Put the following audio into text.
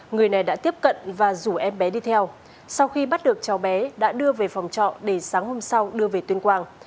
người này đã tiếp cận và rủ em bé đi theo sau khi bắt được cháu bé đã đưa về phòng trọ để sáng hôm sau đưa về tuyên quang